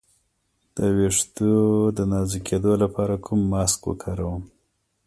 د ویښتو د نازکیدو لپاره کوم ماسک وکاروم؟